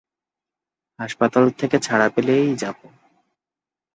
হাসপাতাল থেকে ছাড়া পেলেই যাব।